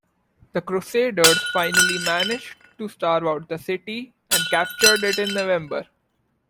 The crusaders finally managed to starve out the city and captured it in November.